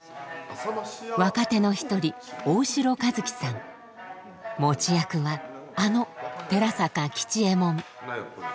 若手の一人持ち役はあの寺坂吉右衛門。